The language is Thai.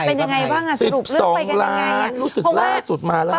๒ล้านรู้สึกล่าสุดมาแล้ว